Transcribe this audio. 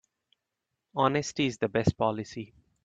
Honesty is the best policy.